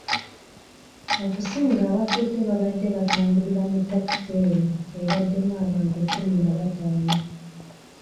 Okusinga abafudde babadde batambulira mu takisi eno ebaddemu abantu kumi na bataano.